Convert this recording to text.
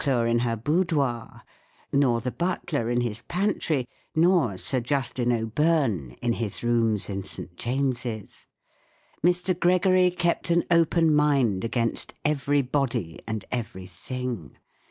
Lady Maclure in her boudoir, nor the butler in his pantry* nor Sir Justin O'Byrne in his rooms in St. James's. Mr, Gregory kept an open mind against everybody and everything.